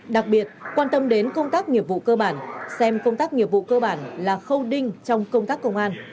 đặc biệt quan tâm đến công tác nghiệp vụ cơ bản xem công tác nghiệp vụ cơ bản là khâu đinh trong công tác công an